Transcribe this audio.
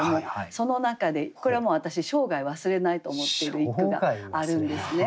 その中でこれはもう私生涯忘れないと思っている一句があるんですね。